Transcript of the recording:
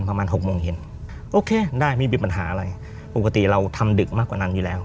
หกโมงเย็นโอเคได้ไม่มีปัญหาอะไรปกติเราทำดึกมากกว่านั้นอยู่แล้ว